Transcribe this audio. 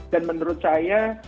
dan menurut saya